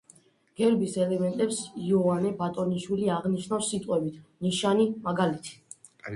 გერბის ელემენტებს იოანე ბატონიშვილი აღნიშნავს სიტყვებით: „ნიშანი“, „მაგალითი“.